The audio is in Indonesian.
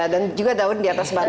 dan juga tahun di atas batang